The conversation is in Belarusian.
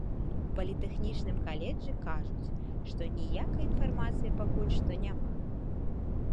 У політэхнічным каледжы кажуць, што ніякай інфармацыі пакуль што няма.